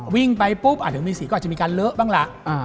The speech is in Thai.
วิ่งไปปุ๊บถึงมีสีก็อาจจะมีการเลอะบ้างล่ะ